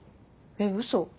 えっ嘘？